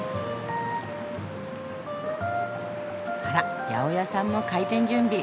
あら八百屋さんも開店準備。